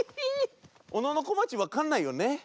おののこまちわかんないよね？